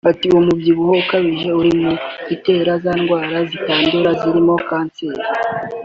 Ati “Uwo mubyibuho ukabije uri mu bitera za ndwara zitandura zirimo kanseri